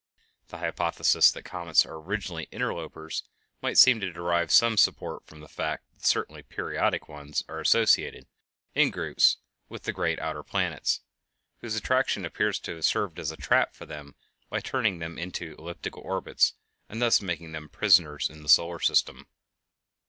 The hypothesis that comets are originally interlopers might seem to derive some support from the fact that the certainly periodic ones are associated, in groups, with the great outer planets, whose attraction appears to have served as a trap for them by turning them into elliptical orbits and thus making them prisoners in the solar system.